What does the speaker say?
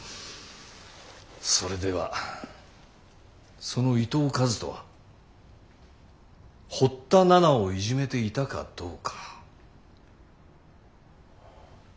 それではその伊藤和斗は堀田奈々をいじめていたかどうか。